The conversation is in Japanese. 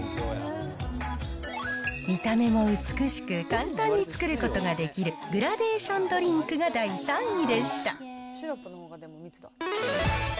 見た目も美しく、簡単に作ることができるグラデーションドリンクが第３位でした。